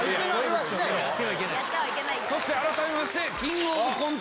そして改めまして。